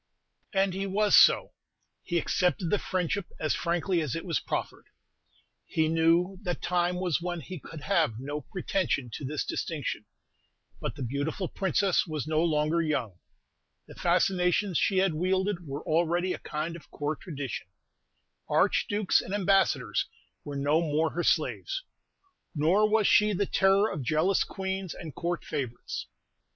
And he was so; he accepted the friendship as frankly as it was proffered. He knew that time was when he could have no pretension to this distinction: but the beautiful Princess was no longer young; the fascinations she had wielded were already a kind of Court tradition; archdukes and ambassadors were no more her slaves; nor was she the terror of jealous queens and Court favorites.